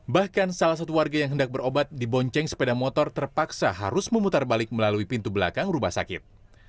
bahkan salah satu warga yang hendak berobat dibonceng sepeda motor terpaksa harus memutar balik melalui pintu belakang rumah sakit